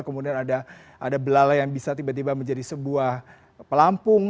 kemudian ada belalai yang bisa tiba tiba menjadi sebuah pelampung